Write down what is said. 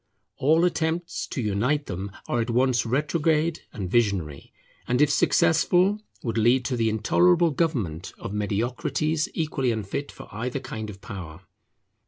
All attempts to unite them are at once retrograde and visionary, and if successful would lead to the intolerable government of mediocrities equally unfit for either kind of power.